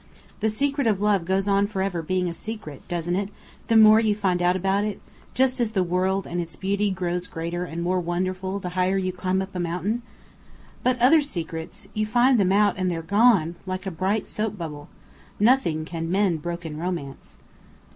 "The secret of love goes on forever being a secret, doesn't it, the more you find out about it, just as the world and its beauty grows greater and more wonderful the higher you climb up a mountain? But other secrets! You find them out, and they're gone, like a bright soap bubble. Nothing can mend broken romance!"